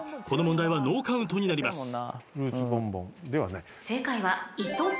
この問題はノーカウントになります。